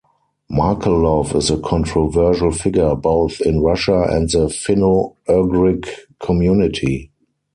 Markelov is a controversial figure both in Russia and the Finno-Ugric community.